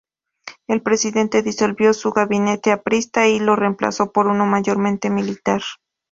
El presidente disolvió su gabinete Aprista y lo reemplazó por uno mayormente militar.